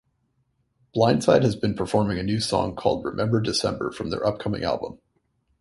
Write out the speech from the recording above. Blindside has been performing a new song called "Remember December" from their upcoming album.